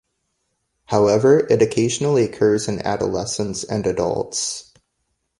However, it occasionally occurs in adolescents and adults.